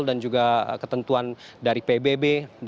dan juga ketentuan dari pbb